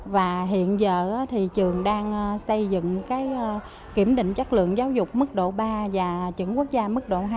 và hiện giờ thì trường đang xây dựng cái kiểm định chất lượng giáo dục mức độ ba và chuẩn quốc gia mức độ hai